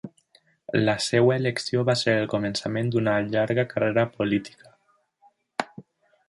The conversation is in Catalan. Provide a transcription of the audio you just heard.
La seva elecció va ser el començament d'una llarga carrera política.